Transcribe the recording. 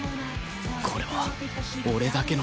これは俺だけの夢